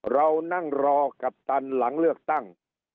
เรานั่งรอกัปตันหลังเลือกตั้ง